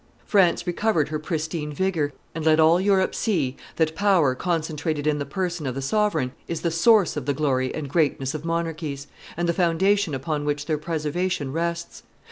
France recovered her pristine vigor, and let all Europe see that power concentrated in the person of the sovereign is the source of the glory and greatness of monarchies, and the foundation upon which their preservation rests.